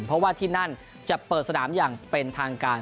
เพราะว่าที่นั่นจะเปิดสนามอย่างเป็นทางการ